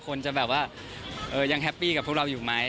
คนจะแบบว่ายังแฮปปี้กับพวกเราอยู่ไหม